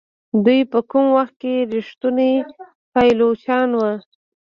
دوی په کوم وخت کې ریښتوني پایلوچان وو.